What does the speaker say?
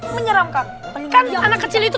menyeramkan anak kecil itu